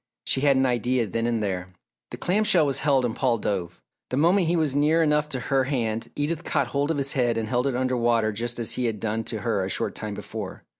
She had an idea then and there. The clam shell was held and Paul dove. The moment he was near enough to her hand, Edith caught hold of his head and held it under water just as he had done to her a short time before.